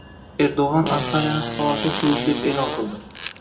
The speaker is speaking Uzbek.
Erdo‘g‘on Antaliyani falokat hududi deb e’lon qildi